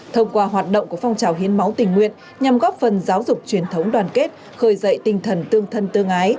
thông qua hoạt động của phong trào hiến máu tình nguyện nhằm góp phần giáo dục truyền thống đoàn kết khơi dậy tinh thần tương thân tương ái